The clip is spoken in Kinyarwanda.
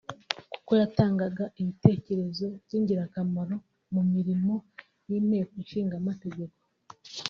kuko yatangaga ibitekerezo by’ingirakamaro mu mirimo y’Inteko Ishinga Amategeko